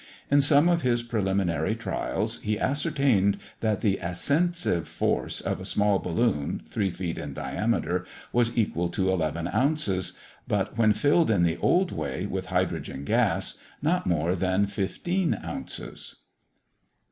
In some of his preliminary trials, he ascertained that the ascensive force of a small balloon, three feet in diameter, was equal to eleven ounces; but, when filled in the old way, with hydrogen gas, not more than fifteen ounces.